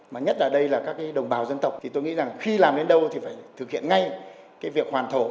mà nhất là đây là các đồng bào dân tộc thì tôi nghĩ rằng khi làm đến đâu thì phải thực hiện ngay cái việc hoàn thổ